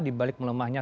di balik melemahnya